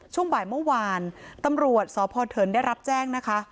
ช่วงบ่ายเมื่อวานตำรวจสพเถินได้รับแจ้งนะคะ